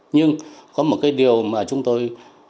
nhưng có một điều mà chúng tôi